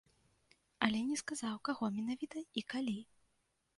Але не сказаў, каго менавіта і калі.